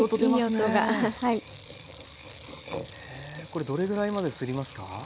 これどれぐらいまですりますか？